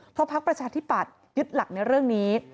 เพราะพักประชาธิปัตยึดหลักในเรื่องนี้